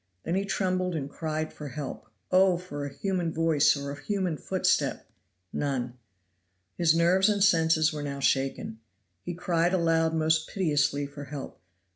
Then he trembled and cried for help. Oh! for a human voice or a human footstep! none. His nerves and senses were now shaken. He cried aloud most piteously for help. "Mr.